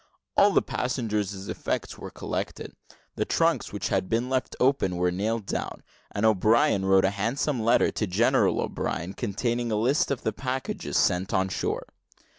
All the passengers' effects were collected; the trunks which had been left open were nailed down: and O'Brien wrote a handsome letter to General O'Brien, containing a list of the packages sent on shore.